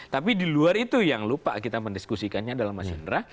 tapi di luar itu yang lupa kita mendiskusikannya adalah mas indra